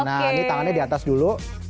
nah ini tangannya di atas dulu